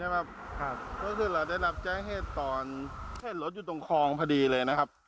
ก็คือเราได้รับแจ้งเหตุตอนเห็นรถอยู่ตรงคลองพอดีเลยนะครับ